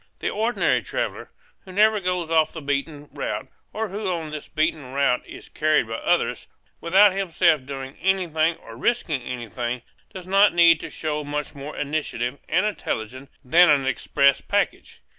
The ordinary traveller, who never goes off the beaten route and who on this beaten route is carried by others, without himself doing anything or risking anything, does not need to show much more initiative and intelligence than an express package.